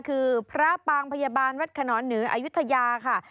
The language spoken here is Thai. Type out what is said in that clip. คือพระปางพยาบาลวัดขนอนเหนืออายุทยาค่ะ